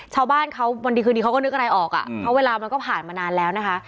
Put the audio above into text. ชาวบ้านเขาวันดีคืนนี้เขาก็นึกอะไรออกอ่ะเพราะเวลามันก็ผ่านมานานแล้วนะคะ